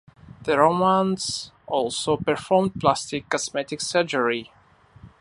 The Romans also performed plastic cosmetic surgery.